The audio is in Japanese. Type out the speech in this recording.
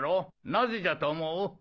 なぜじゃと思う？